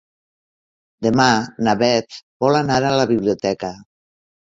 Demà na Beth vol anar a la biblioteca.